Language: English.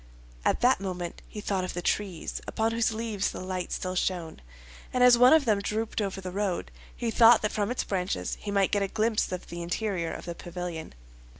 At that moment he thought of the trees, upon whose leaves the light still shone; and as one of them drooped over the road, he thought that from its branches he might get a glimpse of the interior of the pavilion.